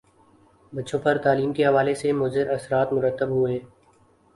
بچوں پر تعلیم کے حوالے سے مضراثرات مرتب ہوئے